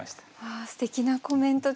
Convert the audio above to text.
すてきなコメント。